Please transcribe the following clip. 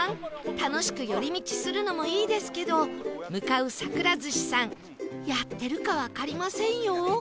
楽しく寄り道するのもいいですけど向かうさくら寿司さんやってるかわかりませんよ？